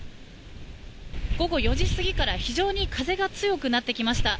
午後４時過ぎから非常に風が強くなってきました。